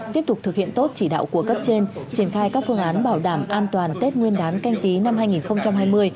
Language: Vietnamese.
tiếp tục thực hiện tốt chỉ đạo của cấp trên triển khai các phương án bảo đảm an toàn tết nguyên đán canh tí năm hai nghìn hai mươi